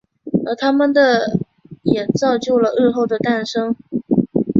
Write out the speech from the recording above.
而他们的也造就了日后的诞生。